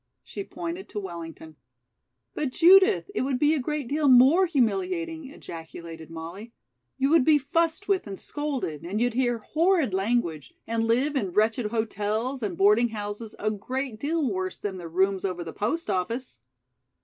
She pointed to Wellington. "But Judith, it would be a great deal more humiliating," ejaculated Molly. "You would be fussed with and scolded, and you'd hear horrid language, and live in wretched hotels and boarding houses a great deal worse than the rooms over the post office!"